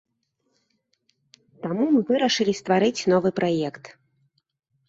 Таму мы вырашылі стварыць новы праект.